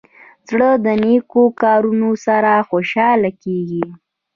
زړه د نیکو کارونو سره خوشحاله کېږي.